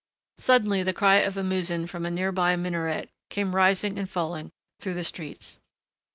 Suddenly the cry of a muezzin from a nearby minaret came rising and falling through the streets.